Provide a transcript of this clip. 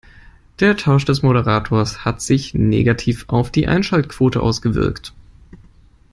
Der Tausch des Moderators hat sich negativ auf die Einschaltquote ausgewirkt.